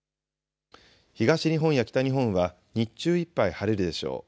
東日本や北日本は日中いっぱい晴れるでしょう。